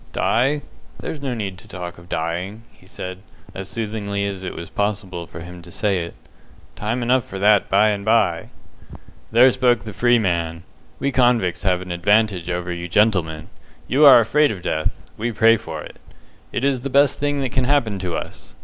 "Die! There's no need to talk of dying," he said, as soothingly as it was possible for him to say it. "Time enough for that by and by." "There spoke the free man. We convicts have an advantage over you gentlemen. You are afraid of death; we pray for it. It is the best thing that can happen to us.